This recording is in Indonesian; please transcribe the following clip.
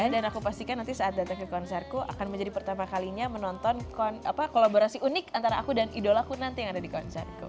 dan aku pastikan nanti saat datang ke konserku akan menjadi pertama kalinya menonton kolaborasi unik antara aku dan idolaku nanti yang ada di konserku